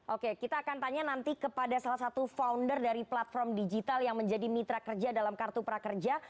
oke kita akan tanya nanti kepada salah satu founder dari platform digital yang menjadi mitra kerja dalam kartu prakerja